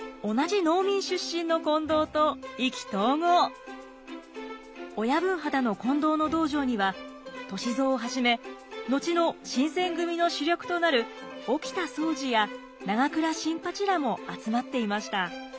歳三は親分肌の近藤の道場には歳三をはじめ後の新選組の主力となる沖田総司や永倉新八らも集まっていました。